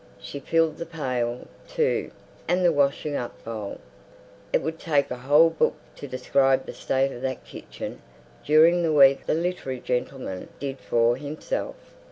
She filled the pail, too, and the washing up bowl. It would take a whole book to describe the state of that kitchen. During the week the literary gentleman "did" for himself.